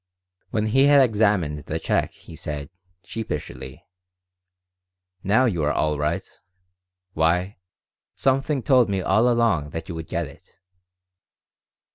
When he had examined the check he said, sheepishly: "Now you are all right. Why, something told me all along that you would get it."